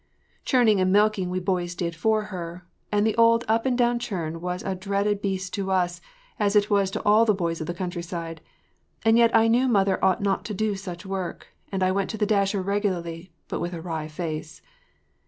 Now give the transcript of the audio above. Churning and milking we boys did for her, and the old up and down churn was a dreaded beast to us as it was to all the boys of the countryside; and yet I knew mother ought not to do such work, and I went to the dasher regularly but with a wry face.